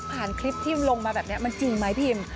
ผ่านคลิปพิมลงมาแบบนี้มันจริงไหมพิม